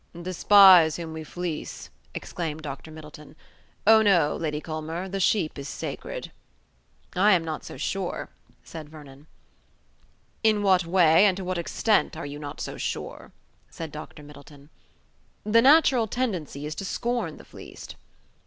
"Despise whom we fleece!" exclaimed Dr. Middleton. "Oh, no, Lady Culmer, the sheep is sacred." "I am not so sure," said Vernon. "In what way, and to what extent, are you not so sure?" said Dr. Middleton. "The natural tendency is to scorn the fleeced."